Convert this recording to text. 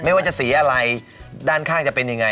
ไม่ว่าจะสีอะไรด้านข้างจะเป็นยังไง